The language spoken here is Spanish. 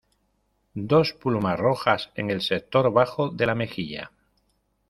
Dos plumas rojas en el sector bajo de la mejilla.